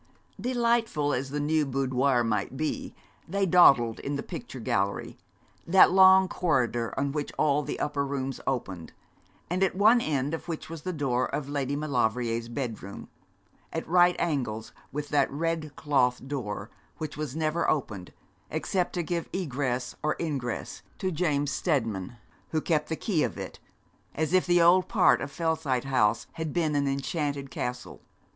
Delightful as the new boudoir might be, they dawdled in the picture gallery, that long corridor on which all the upper rooms opened, and at one end of which was the door of Lady Maulevrier's bedroom, at right angles with that red cloth door, which was never opened, except to give egress or ingress to James Steadman, who kept the key of it, as if the old part of Fellside House had been an enchanted castle.